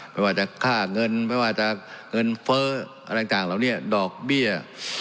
ไม่ว่าจะค่าเงินไม่ว่าจะเงินเฟ้ออะไรต่างเหล่านี้ดอกเบี้ย